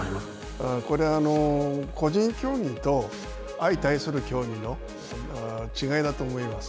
これは個人競技と相対する競技の違いだと思います。